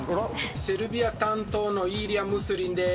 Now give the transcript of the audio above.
セルビア担当のイーリャ・ムスリンです。